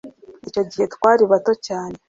icyo gihe twari bato cyane